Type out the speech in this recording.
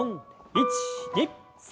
１２３！